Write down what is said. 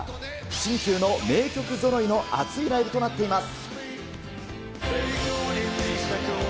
新旧の名曲ぞろいの熱いライブとなっています。